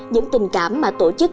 những tình cảm mà tổ chức công